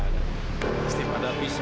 sampai pada hari sepuluh pagi